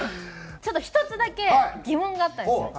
ちょっと１つだけ疑問があったんですよ。